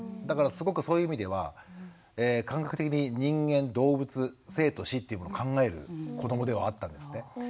だからすごくそういう意味では感覚的に人間動物生と死というもの考える子どもではあったんですね。